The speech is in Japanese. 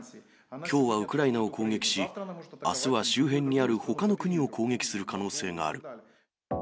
きょうはウクライナを攻撃し、あすは周辺にあるほかの国を攻撃する可能性がある。